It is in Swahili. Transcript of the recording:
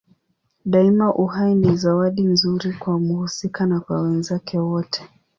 Daima uhai ni zawadi nzuri kwa mhusika na kwa wenzake wote.